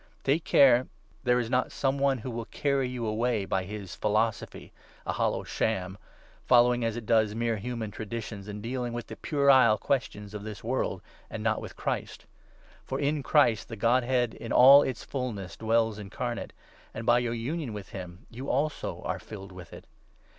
Take care there is not some one who will carry you away 8 by his ' philosophy '— a hollow sham !— following, as it does, mere human traditions, and dealing with puerile questions of this world, and not with Christ. For in Christ the Godhead 9 in all its fulness dwells incarnate ; and, by your union with 10 him, you also are filled with it.